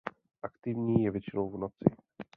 Aktivní je většinou v noci.